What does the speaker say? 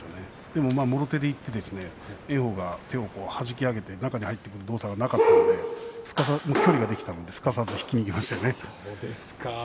でも、もろ手でいって炎鵬が手をはじき上げて中に入ってくる動作がなかったので距離ができたのですかさず引きにいきましたよね。